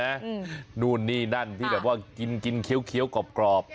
อืมนู่นนี่นั่นที่แบบว่ากินกินเคี้ยวกรอบกรอบ